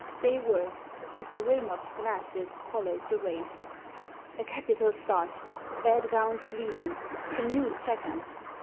They were. Mr. Wilmof s glasses followed the race. "A capital start Bedgown's leading — Canute second.